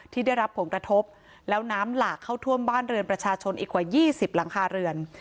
ที่ได้รับผลกระทบแล้วน้ำหลากเข้าท่วมบ้านเรือนประชาชนอีกกว่า๒๐หลังคาเรือน